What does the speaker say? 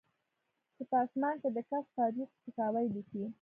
چې په اسمان کې د ګس فارویک سپکاوی لیکي